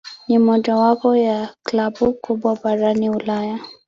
Ni mojawapo ya klabu kubwa barani Ulaya.